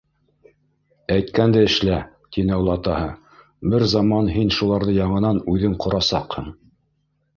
«Әйткәнде эшлә, - тине олатаһы, - бер заман һин шуларҙы яңынан үҙең ҡорасаҡһың».